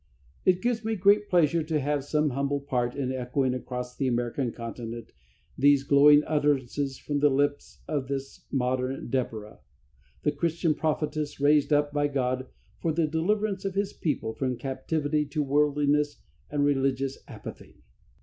It gives me great pleasure to have some humble part in echoing across the American continent these glowing utterances from the lips of this modern Deborah, the Christian prophetess raised up by God for the deliverance of His people from captivity to worldliness and religious apathy.